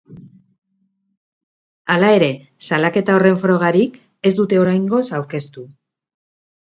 Hala ere, salaketa horren frogarik ez dute oraingoz aurkeztu.